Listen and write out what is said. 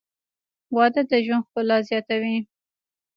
• واده د ژوند ښکلا زیاتوي.